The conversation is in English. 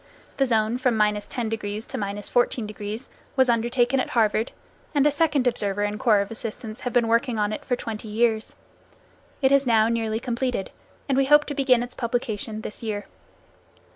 The zone from 10° to 14° was undertaken at Harvard, and a second observer and corps of assistants have been working on it for twenty years. It is now nearly completed, and we hope to begin its publication this year.